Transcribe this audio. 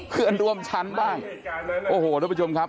เพื่อนร่วมชั้นบ้างโอ้โหทุกผู้ชมครับ